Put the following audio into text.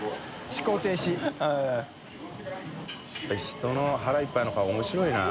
辰人の腹いっぱいの顔面白いな。